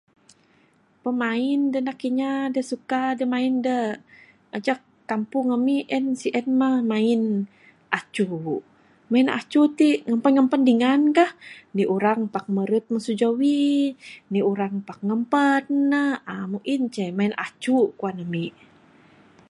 Pimain da anak inya da suka da main da ajeg kampung ami en sien mah main acu...main acu ti ngampan-ngampan dingan kah...ini urang pak meret masu jawi...ini urang pak ngampan ne...[uhh] meng en ceh main acu kuan ami.